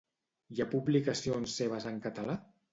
Hi ha publicacions seves en català?